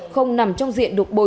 không nằm trong diện đục bồi